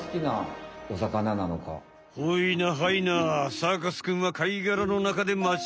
サーカスくんは貝がらの中でまちかまえ。